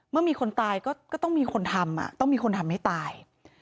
มีคนตายก็ต้องมีคนทำต้องมีคนทำให้ตาย